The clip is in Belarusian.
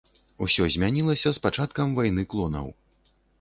Усё змянілася з пачаткам вайны клонаў.